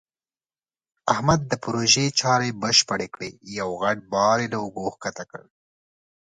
احمد د پروژې چارې بشپړې کړې. یو غټ بار یې له اوږو ښکته کړ.